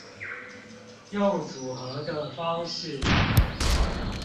用組合的方式